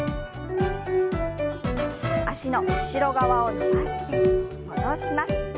脚の後ろ側を伸ばして戻します。